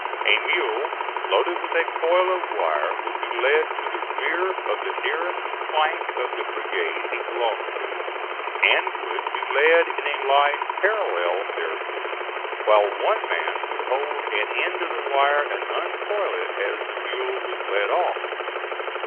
A mule loaded with a coil of wire would be led to the rear of the nearest flank of the brigade he belonged to, and would be led in a line parallel thereto, while one man would hold an end of the wire and uncoil it as the mule was led off.